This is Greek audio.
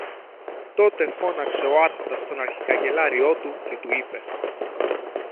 Τότε φώναξε ο Άρχοντας τον αρχικαγκελάριό του και του είπε